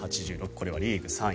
これはリーグ３位